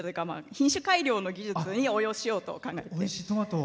品種改良の技術に応用しようと考えてます。